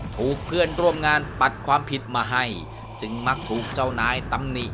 ถูกเพื่อนร่วมงานปัดความผิดมาให้จึงมักถูกเจ้านายตำหนิ